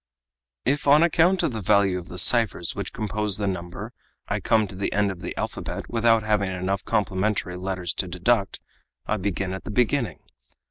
"If, on account of the value of the ciphers which compose the number I come to the end of the alphabet without having enough complementary letters to deduct, I begin again at the beginning.